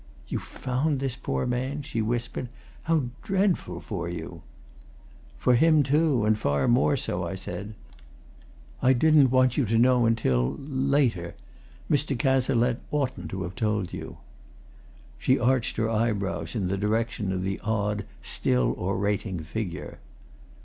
"You found this poor man?" she whispered. "How dreadful for you!" "For him, too and far more so," I said. "I didn't want you to know until later. Mr. Cazalette oughtn't to have told you." She arched her eyebrows in the direction of the odd, still orating figure.